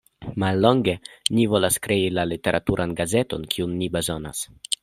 Mallonge: ni volas krei la literaturan gazeton, kiun ni bezonas.